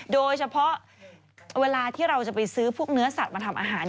โดยเฉพาะเวลาที่เราจะไปซื้อพวกเนื้อสัตว์มาทำอาหาร